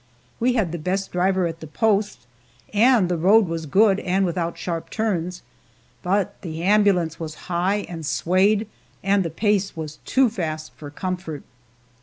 We had the best driver at the post, and the road was good and without sharp turns, but the ambulance was high and swayed, and the pace was too fast for comfort.